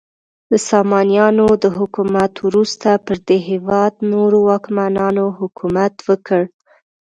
د سامانیانو د حکومت وروسته پر دې هیواد نورو واکمنانو حکومت وکړ.